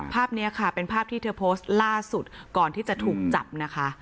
ภาพนี้ค่ะเป็นภาพที่เธอโพสต์ล่าสุดก่อนที่จะถูกจับนะคะ